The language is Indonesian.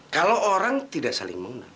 kalau orang tidak saling mengenal